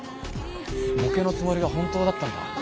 ボケのつもりが本当だったんだ。